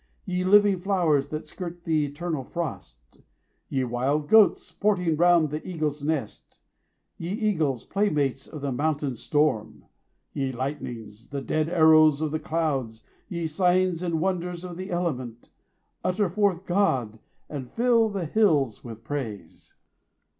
Ye living flowers that skirt the eternal frost! Ye wild goats sporting round the eagle's nest! 65 Ye eagles, play mates of the mountain storm! Ye lightnings, the dread arrows of the clouds! Ye signs and wonders of the element! Utter forth God, and fill the hills with praise!